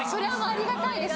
ありがたいです。